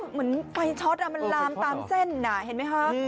เหมือนไฟช็อตมันลามตามเส้นเห็นไหมคะ